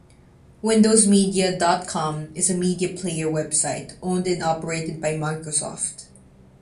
WindowsMedia dot com is a media player website owned and operated by Microsoft.